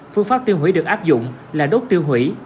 phương pháp tiêu hủy được áp dụng là đốt tiêu hủy